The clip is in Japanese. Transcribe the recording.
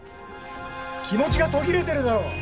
気持ちが途切れてるだろ！